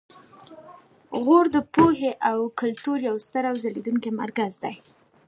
غور د پوهې او کلتور یو ستر او ځلیدونکی مرکز و